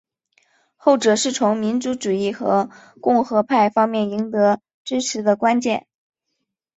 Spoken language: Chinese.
后者是从民族主义和共和派方面赢得支持的关键。